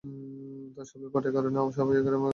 তাঁর সাবলীল পাঠের কারণে সাহাবায়ে কেরামের হৃদয় আকর্ষিত হত।